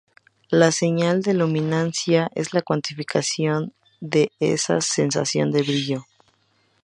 La señal de luminancia es la cuantificación de esa sensación de brillo.